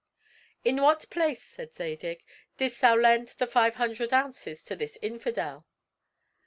"In what place," said Zadig, "didst thou lend the five hundred ounces to this infidel?"